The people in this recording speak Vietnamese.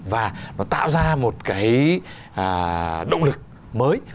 và nó tạo ra một cái động lực mới